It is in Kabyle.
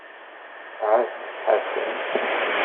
Ɛasset Ḥasan.